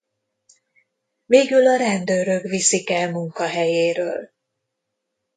Végül a rendőrök viszik el munkahelyéről.